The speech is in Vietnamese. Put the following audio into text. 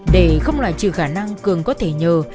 để không loại trừ khả năng cường có thể nhờ